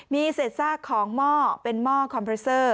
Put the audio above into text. มีเศษซากของหม้อเป็นหม้อคอมพิวเซอร์